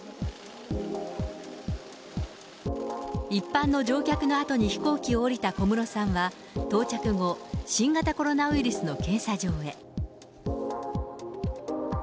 一般の乗客のあとに飛行機を降りた小室さんは、到着後、新型コロナウイルスの検査場へ。